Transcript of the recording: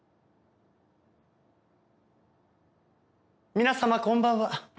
皆様こんばんは。